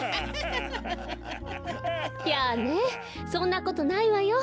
やあねそんなことないわよ。